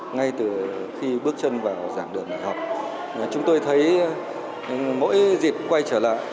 ngay từ khi bước chân vào giảng đường đại học chúng tôi thấy mỗi dịp quay trở lại